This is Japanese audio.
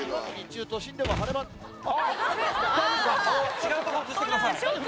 違うとこ映してください。